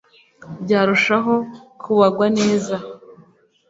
byarushaho kubagwa neza